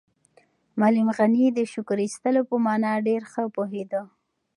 معلم غني د شکر ایستلو په مانا ډېر ښه پوهېده.